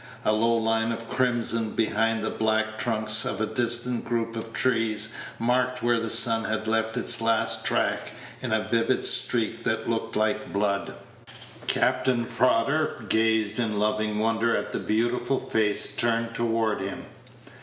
A low line of crimson behind the black trunks of a distant group of trees marked where the sun had left its last track in a vivid streak that looked like blood. Captain Prodder gazed in loving wonder at the beautiful face turned toward him.